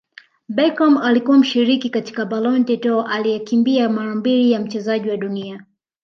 Beckham alikuwa mshiriki katika Ballon dOr aliyekimbia mara mbili ya Mchezaji wa Dunia